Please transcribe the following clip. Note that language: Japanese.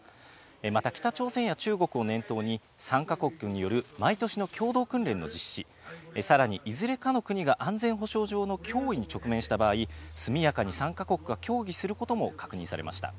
また北朝鮮や中国を念頭に、３か国による毎年の共同訓練の実施、さらにいずれかの国が安全保障上の脅威に直面した場合、速やかに３か国が協議することも確認されました。